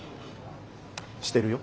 してるよ。